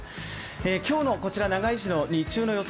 今日の長井市の日中の予想